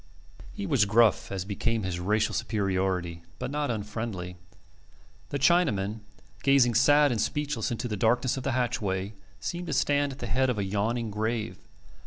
He was gruff, as became his racial superiority, but not unfriendly. The Chinaman, gazing sad and speechless into the darkness of the hatchway, seemed to stand at the head of a yawning grave.